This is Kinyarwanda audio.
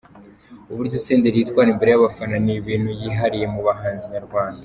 Uburyo Senderi yitwara imbere y’abafana, ni ibintu yihariye mu bahanzi nyarwanda.